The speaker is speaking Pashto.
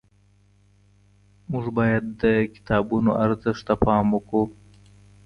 موږ باید د کتابونو ارزښت ته پام وکړو.